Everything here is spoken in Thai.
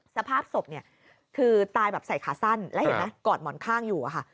สภาพศพเนี่ยคือตายแบบใส่ขาสั้นแล้วเห็นไหมกอดหมอนข้างอยู่อะค่ะ